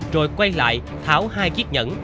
rồi quay lại tháo hai chiếc nhẫn